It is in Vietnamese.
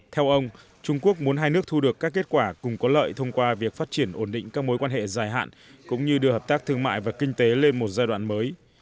theo ông trung quốc muốn hai nước thu được các kết quả cùng có lợi thông qua việc phát triển ổn định các mối quan hệ dài hạn cũng như đưa hợp tác thương mại và kinh tế lên một giai đoạn mới